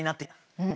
うん。